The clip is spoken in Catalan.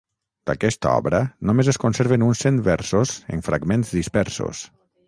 D'aquesta obra, només es conserven uns cent versos en fragments dispersos.